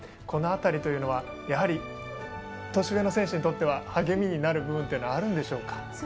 この辺りというのはやはり年上の選手にとっては励みになる部分というのはあるでしょうか。